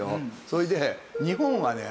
それで日本はね